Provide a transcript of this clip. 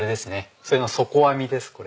それの底編みですこれ。